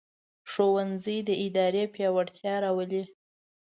ښوونځی د ارادې پیاوړتیا راولي